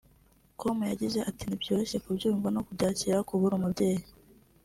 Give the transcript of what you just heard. com yagize ati “Ntibyoroshye kubyumva no kubyakira kubura umubyeyi